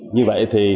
như vậy thì